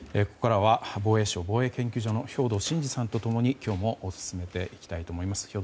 ここからは防衛省防衛研究所の兵頭慎治さんと共に今日も進めていきたいと思います。